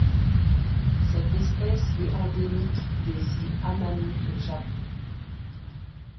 Cette espèce est endémique des îles Amami au Japon.